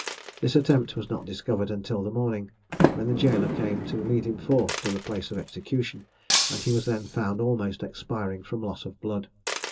This attempt was not discovered until the morning, when the jailor came to lead him forth to the place of execution, and he was then found almost expiring from loss of blood.